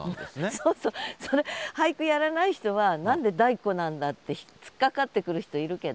そうそうそれ俳句やらない人は何で「だいこ」なんだってつっかかってくる人いるけど。